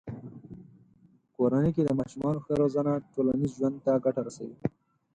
په کورنۍ کې د ماشومانو ښه روزنه ټولنیز ژوند ته ګټه رسوي.